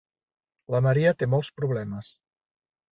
La Maria té molts problemes.